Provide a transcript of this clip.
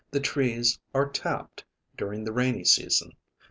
The trees are "tapped" during the rainy season.